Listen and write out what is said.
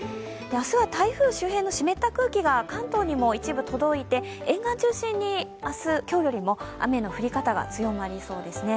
明日は台風周辺の湿った空気が関東にも一部届いて、沿岸中心に、今日、明日よりも雨の降り方が強まりそうですね。